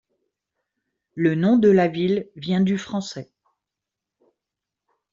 Le nom de la ville vient du français.